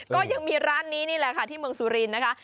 ก็ยังมีร้านนี้นี่แหละค่ะที่เมืองสุรินทร์นะคะ